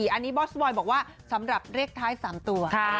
อันนี้บอสบอยบอกว่าสำหรับเลขท้าย๓ตัว